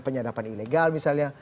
penyadapan ilegal misalnya